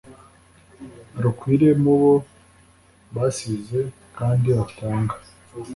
rukwire mubo basize kandi batanga